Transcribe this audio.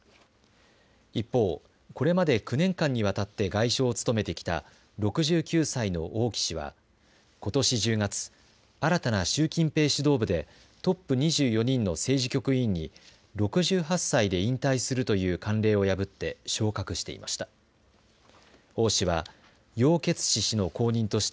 一方、これまで９年間にわたって外相を務めてきた６９歳の王毅氏はことし１０月新たな習近平指導部でトップ２４人の政治局委員に６８歳で引退するという慣例を破って昇格していました。